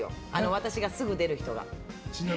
私がすぐ出る人が。